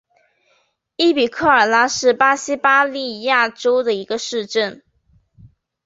伊比科阿拉是巴西巴伊亚州的一个市镇。